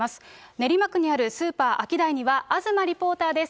練馬区にあるスーパーアキダイには、東リポーターです。